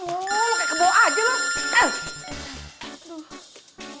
aduh lo kaya keboh aja lo